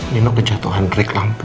nino kejatuhan rik lampu